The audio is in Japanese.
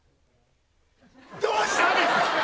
どうしたんですか。